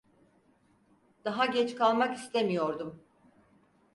Daha geç kalmak istemiyordum.